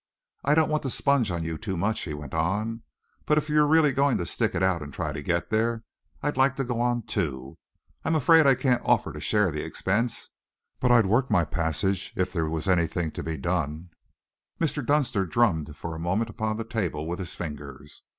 "I don't want to sponge on you too much," he went on, "but if you're really going to stick it out and try and get there, I'd like to go on, too. I am afraid I can't offer to share the expense, but I'd work my passage if there was anything to be done." Mr. Dunster drummed for a moment upon the table with his fingers.